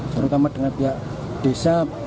terutama dengan pihak desa